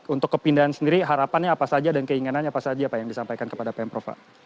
untuk kepindahan sendiri harapannya apa saja dan keinginannya apa saja pak yang disampaikan kepada pemprov pak